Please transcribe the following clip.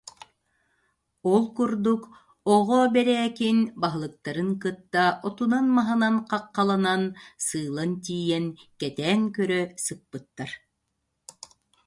Ол курдук, Оҕо Бэрээкин баһылыктарын кытта отунан-маһынан хаххаланан, сыылан тиийэн, кэтээн көрө сыппыттар